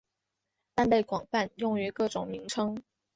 但被广泛用于各种名称。